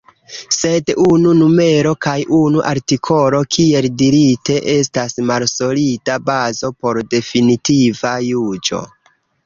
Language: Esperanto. Sed unu numero kaj unu artikolo, kiel dirite, estas malsolida bazo por definitiva juĝo.